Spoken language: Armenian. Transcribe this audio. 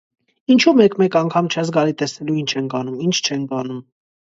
Ինչո՞ւ մեկ-մեկ անգամ չես գալիս տեսնելու ինչ ենք անում, ինչ չենք անում: